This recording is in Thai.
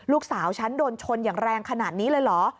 ลูกสาวฉันโดนชนอย่างแรงขนาดนี้เลยเหรอ